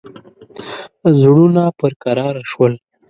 زړونه پر کراره شول.